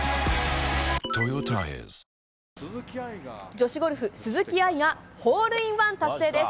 女子ゴルフ、鈴木愛がホールインワン達成です。